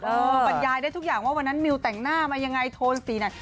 บรรยายได้ทุกอย่างว่าวันนั้นมิวแต่งหน้ามายังไงโทนสีไหน